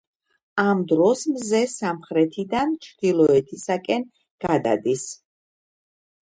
ამ დროს მზე სამხრეთიდან ჩრდილოეთისაკენ გადადის.